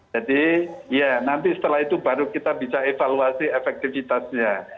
jadi ya nanti setelah itu baru kita bisa evaluasi efektivitasnya